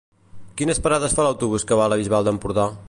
Quines parades fa l'autobús que va a la Bisbal d'Empordà?